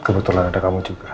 kebetulan ada kamu juga